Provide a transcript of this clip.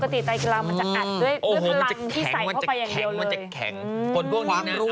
เพราะปกติใต้กีฬาวมันจะอัดด้วยพลังที่ใส่เข้าไปอย่างเดียวเลย